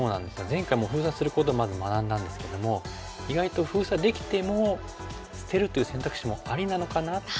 前回封鎖することをまず学んだんですけども意外と封鎖できても捨てるという選択肢もありなのかなっていう。